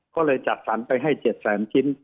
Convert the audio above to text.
ก็เลยจัดฝันไปให้๗๐๐๐๐๐ชิ้น